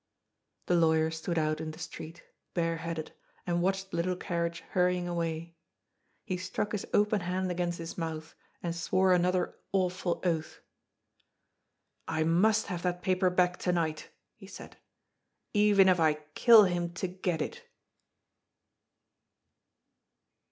The lawyer stood out in the street, bareheaded, and watched the little carriage hurrying away. He struck his open hand against his mouth and swore another awful oath. " I must have that paper back to night," he said. " Even if I kill him to get it